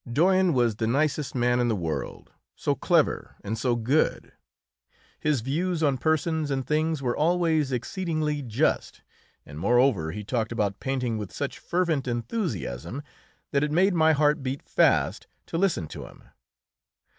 Doyen was the nicest man in the world, so clever and so good; his views on persons and things were always exceedingly just, and moreover he talked about painting with such fervent enthusiasm that it made my heart beat fast to listen to him.